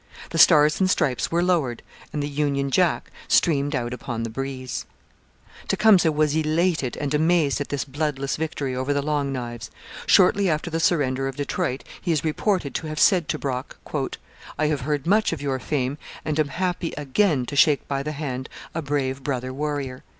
The Stars and Stripes were lowered, and the Union Jack streamed out upon the breeze. Tecumseh was elated and amazed at this bloodless victory over the Long Knives. Shortly after the surrender of Detroit, he is reported to have said to Brock: I have heard much of your fame and am happy again to shake by the hand a brave brother warrior.